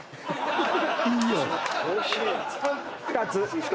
２つ。